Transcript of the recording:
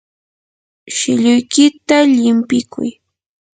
shilluykita llimpikuy.